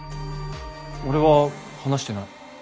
俺は話してない。